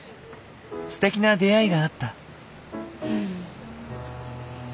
ステキな出会いがあった。